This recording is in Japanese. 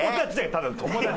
ただの友達。